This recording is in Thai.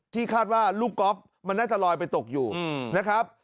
คาดว่าลูกก๊อฟมันน่าจะลอยไปตกอยู่นะครับ